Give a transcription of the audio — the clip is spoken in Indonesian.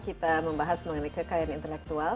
kita membahas mengenai kekayaan intelektual